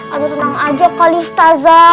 aduh tenang aja kali ustazah